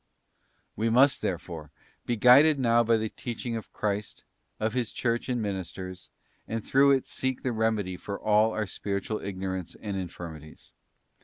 We must, therefore, be guided now ra the teaching of Knowledge Christ, of His Church and ministers, and through it seek the remedy for all our spiritual ignorance and infirmities.